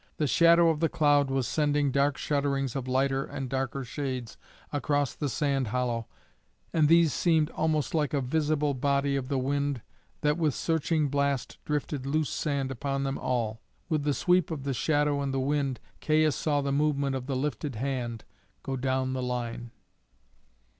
The shadow of the cloud was sending dark shudderings of lighter and darker shades across the sand hollow, and these seemed almost like a visible body of the wind that with searching blast drifted loose sand upon them all. With the sweep of the shadow and the wind, Caius saw the movement of the lifted hand go down the line.